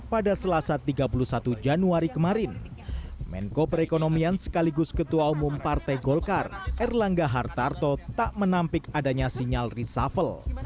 pada selasa tiga puluh satu januari kemarin menko perekonomian sekaligus ketua umum partai golkar erlangga hartarto tak menampik adanya sinyal reshuffle